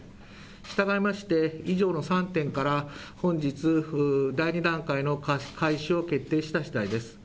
従いまして以上の３点から、本日、第２段階の開始を決定したしだいです。